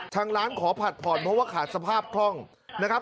ทางร้านขอผัดผ่อนเพราะว่าขาดสภาพคล่องนะครับ